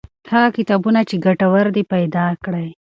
هغه کتابونه چې ګټور دي پیدا کړئ.